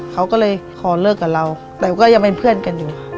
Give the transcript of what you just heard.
เขาก็เลยขอเลิกกับเราแต่ก็ยังเป็นเพื่อนกันอยู่